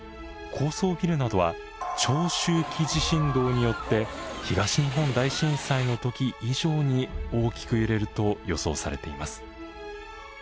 高層ビルなどは長周期地震動によって東日本大震災の時以上に大きく揺れると予想されています。